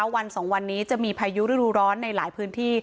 วัน๒วันนี้จะมีพายุฤดูร้อนในหลายพื้นที่